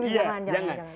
iya jangan jangan